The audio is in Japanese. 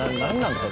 これ。